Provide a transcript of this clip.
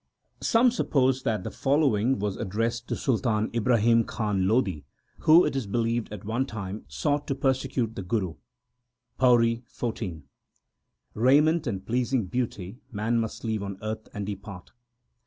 Some suppose that the following was addressed to Sultan Ibrahim Khan Lodi who it is believed at one time sought to persecute the Guru : PAURI XIV Raiment and pleasing beauty man must leave on earth and depart.